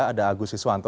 ada agus iswanto